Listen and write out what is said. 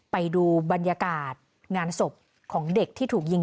ไปดูบรรยากาศงานศพของเด็กที่ถูกยิง